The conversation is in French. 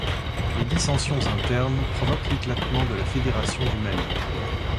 Les dissensions internes provoquent l'éclatement de la fédération du Mali.